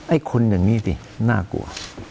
ไอ้คนอย่างนี้สิน่ากลัว